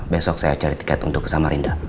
besok saya cari tiket untuk ke kalimantan timur